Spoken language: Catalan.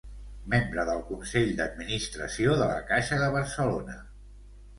Membre del Consell d'Administració de la Caixa de Barcelona.